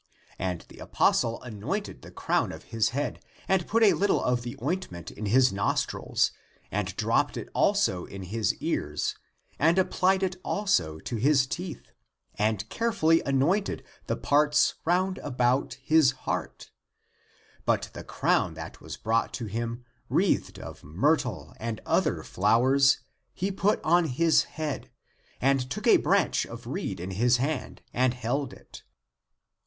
And the apostle anointed the crown of his head, and put a little of the ointment in his nostrils, and dropped it also in his ears, and applied it also to his teeth, and carefully anointed the parts round about his heart ; but the crown that was brought to him, wreathed of myrtle and other flowers, he put on his head, and took a branch of reed in his hand, and held it.